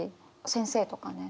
先生とかね。